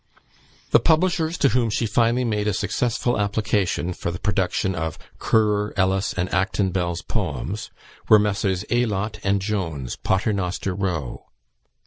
The publishers to whom she finally made a successful application for the production of "Currer, Ellis, and Acton Bell's poems," were Messrs. Aylott and Jones, Paternoster Row.